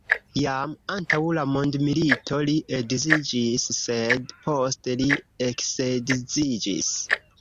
Jam antaŭ la mondomilito li edziĝis, sed poste li eksedziĝis.